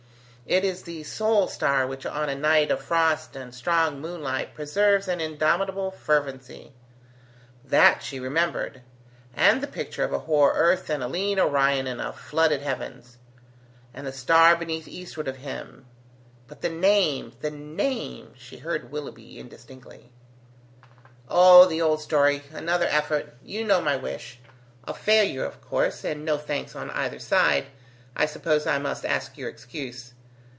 It is the sole star which on a night of frost and strong moonlight preserves an indomitable fervency: that she remembered, and the picture of a hoar earth and a lean Orion in flooded heavens, and the star beneath Eastward of him: but the name! the name! She heard Willoughby indistinctly. "Oh, the old story; another effort; you know my wish; a failure, of course, and no thanks on either side, I suppose I must ask your excuse.